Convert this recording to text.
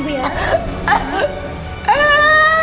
tenang ya bu